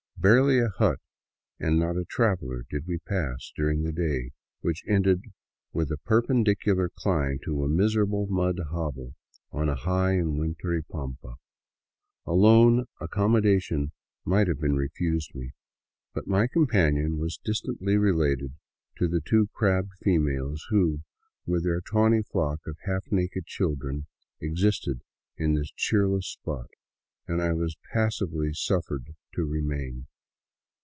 Barely a hut and not a traveler did we pass during a day which ended with a perpendicular climb to a miserable mud hovel on a high and wintry pampa. Alone, accommodation might have been refused me, but my companion was distantly related to the two crabbed females who, with their tawny flock of half naked children, existed in this cheerless spot, and I was passively suffered to remain.